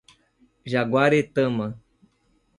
Jaguaretama